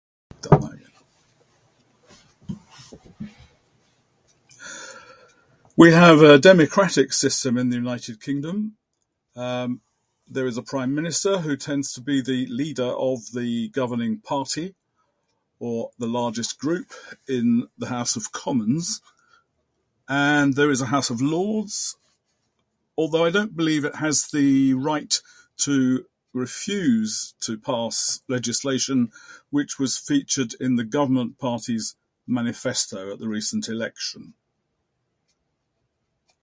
We have a democratic system in the United Kingdom. Um, there is a prime minister who tends to be the leader of the governing party, or the largest group in the House of Commons. And there is a House of Lords, although I don't believe it has the right to refuse to pass legislation which was featured in the governing party's manifesto at the recent election.